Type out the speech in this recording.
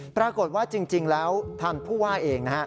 ปรากฏว่าจริงแล้วท่านผู้ว่าเองนะฮะ